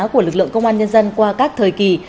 của lực lượng công an nhân dân qua các thời kỳ